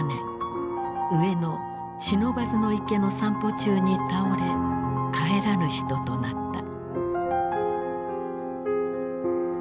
上野・不忍池の散歩中に倒れ帰らぬ人となった。